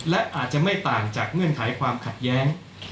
และอาจจะไม่ต่างจากเงื่อนไขความขัดแย้ง